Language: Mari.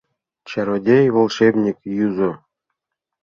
Чародей — волшебник, юзо.